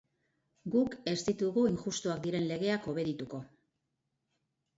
Guk ez ditugu injustoak diren legeak obedituko.